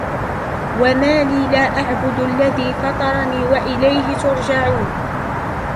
وما لي لا أعبد الذي فطرني وإليه ترجعون